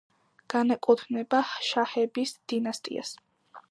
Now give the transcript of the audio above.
განეკუთვნება შაჰების დინასტიას.